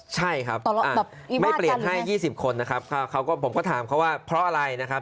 ใช่ครับไม่เปลี่ยนให้๒๐คนนะครับผมก็ถามเขาว่าเพราะอะไรนะครับ